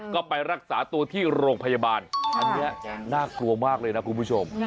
ก็ไปรักษาตัวที่โรงพยาบาลอันนี้น่ากลัวมากเลยนะคุณผู้ชม